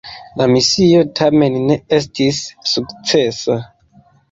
La misio tamen ne estis sukcesa.